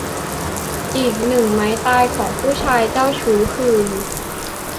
อีกหนึ่งไม้ตายของผู้ชายเจ้าชู้คือ